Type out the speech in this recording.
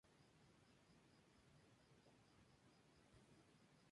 Además, como se trata de una playa virgen, no posee ningún tipo de equipamiento.